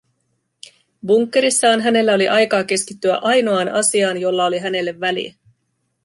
Bunkkerissaan hänellä oli aikaa keskittyä ainoaan asiaan, jolla oli hänelle väliä: